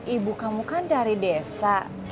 ibu kamu kan dari desa